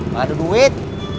gak ada duit